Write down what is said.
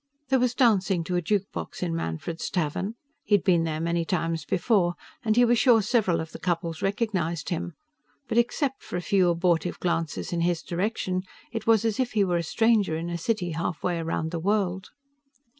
There was dancing to a juke box in Manfred's Tavern. He'd been there many times before, and he was sure several of the couples recognized him. But except for a few abortive glances in his direction, it was as if he were a stranger in a city halfway around the world.